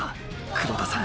黒田さん